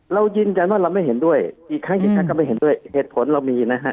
เรายืนยันว่าเราไม่เห็นด้วยอีกครั้งก็ไม่เห็นด้วยเหตุผลเรามีนะฮะ